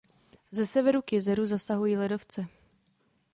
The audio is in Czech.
Ze severu k jezeru zasahují ledovce.